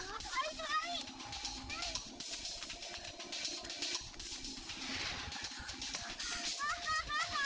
jangan percaya sama aku